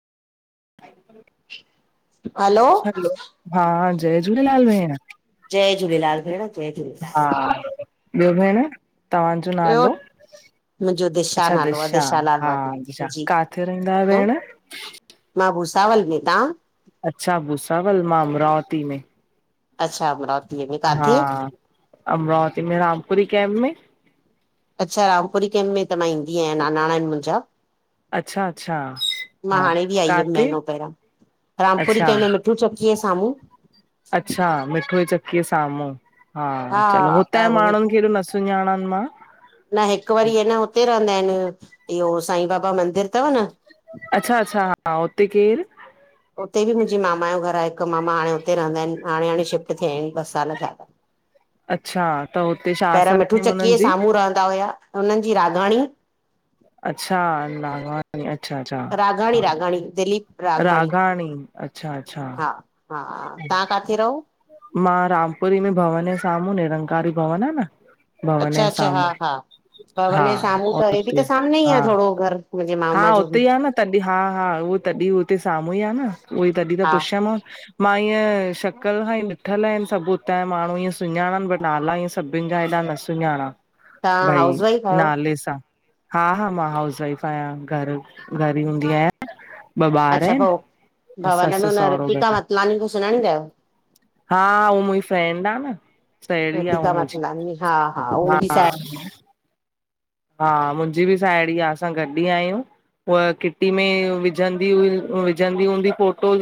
हलो हा 'जय झूलेलाल' भेण। 'जय झूलेलाल' भेण। जय हा! झूलेलाल ॿयो भेण तवांजो ॿियो नालो। मुंहिंजो दिशा अच्छा नालो आहे दिशा, हा लालवानी दिशा जी काथे रहेंदा आयो भेण। मा भुसावल में तां। अच्छा भुसावल, मां अमरावती में अच्छा अमरावतीअ में हा। काथे अमरावती में रामपुरी कैंप में। अच्छा रामपुरी कैंप में त मां ईंदी आयां नानाणा आयेन मुहिंजा। अच्छा अच्छा, मा हा हाणे बि आई अम काथे? महेनो पहेरां, रामपुरी अच्छा, कैंम मम मिठू चक्की ऐ सामूं। अच्छा मिठू ई चकीअ ए सामूं, हा चलो हुतां माणून खे एॾो न सु सुञाणान मां। न हिक वरी ऐ न हुते रहंदा आए न इहो साई बाबा मंदिर तव न। अच्छा-अच्छा हा हुते केर। उते बि मुहिंजे मामा यो घर आहे हिक मामा हाणे हुते रहंदा आए न, हाणे हाणे शिफ्ट थ्या आहेन ॿ साल थ्या तन। अच्छा! त हुते छा सरनेम हुनन जी। ऊं रहंदा हुया। उन्हन जी राघाणी। अच्छा नागवा अच्छा-अच्छा, राघाणी राघाणी दिलीप राघाणी अच्छा-अच्छा। हा हा तव्हां काथे रहो? मां रामपुरी में भवन जे साम्हूं निरंकारी भवन आ न। अच्छा भवनये अच्छा हा साम्हूं। हा भवन हा जे साम्हूं -हा त हे बि उते ई त सामने आहे थोरो घर मुंहिंजे हा मामा जो बि उते ही आ न। तॾहिं हा- हा उहो तॾहिं हुते साम्हूं ई आ न उहो ई तॾहिं त हा पुछमांव मां ईअं शक्कल खां ई ॾिठल आहिनि सभु उतां जा माण्हू ईअ सुञाणान पर नाला ईअं सभिनि जा हेॾा न सु सुञाणा तव्हां भाई हाउस वाइफ आहियो नालाले सां। हा -हा मां हाउस वाइफ आहियां घर- घर ही हूंदी आहियां। ॿ ॿार अच्छा पोइ आहिनि भावन में ससु हुन सहुरो रतिका गॾु मतलानी सुञाणींदव? हा उहा मुंहिंजी फ्रेंड आहे न साहेड़ी आहे उहा रितिका मुंहिंजी मतलानी हा उहा मुंहिंजी हा। साहेड़ी हा मुंहिंजी बि साहेड़ी आ असां गॾु ई आहियूं। उअ किटी में विझंदी हुई विझंदी हूंदी फोटोस